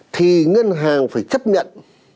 thì ngân hàng phải chấp nhận